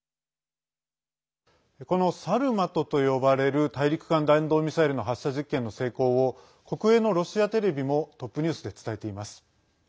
この「サルマト」と呼ばれる大陸間弾道ミサイルの発射実験の成功を国営のロシアテレビもトップニュースで伝えています。